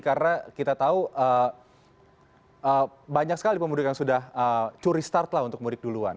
karena kita tahu banyak sekali pemudik yang sudah curi start untuk mudik duluan